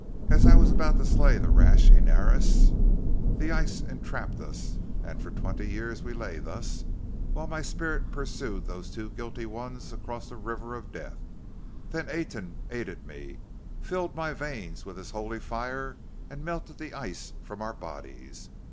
As I was about to slay the rash Inaros, the ice entrapped us, and for twenty years we lay thus, while my spirit pursued those two guilty ones across the River of Death. Then Aten aided me, filled my veins with His holy fire and melted the ice from our bodies.